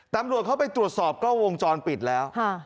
ตำรวจเข้าไปตรวจสอบกล้องวงจรปิดแล้ว